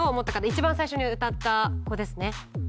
一番最初に歌った子ですね。